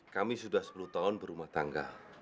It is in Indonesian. kami sudah sepuluh tahun berumah tangga